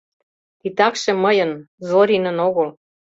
— Титакше мыйын, Зоринын огыл.